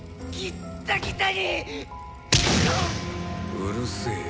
うるせえよ